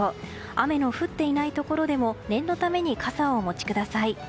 雨の降っていないところでも念のために傘をお持ちください。